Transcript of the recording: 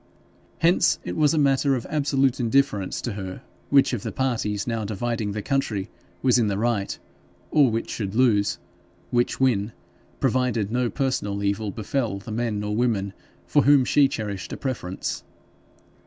Hence, it was a matter of absolute indifference to her which of the parties now dividing the country was in the right, or which should lose, which win, provided no personal evil befel the men or women for whom she cherished a preference.